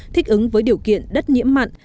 thích ứng với điều kiện đất nhiễm mặn